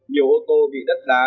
nhiều ô tô bị đất đá